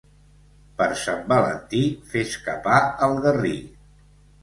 Per Sant Valentí, fes capar el garrí.